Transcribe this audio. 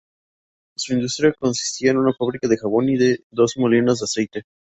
Su industria consistía en una fábrica de jabón y en dos molinos de aceite.